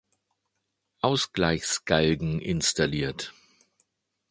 Ausgleichs-Galgen installiert.